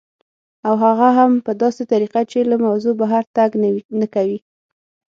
او هغه هم په داسې طریقه چې له موضوع بهر تګ نه کوي